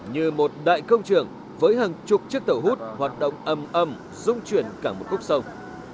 như một đại công trưởng với hàng chục chiếc tàu hút hoạt động âm âm dung chuyển cả một khúc sông